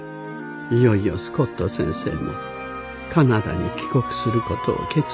いよいよスコット先生もカナダに帰国する事を決意しました。